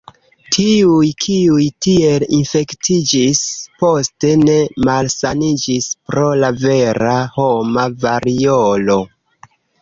Tiuj, kiuj tiel infektiĝis, poste ne malsaniĝis pro la vera homa variolo.